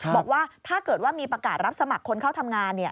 บอกว่าถ้าเกิดว่ามีประกาศรับสมัครคนเข้าทำงาน